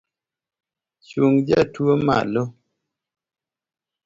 Chung jatuo malo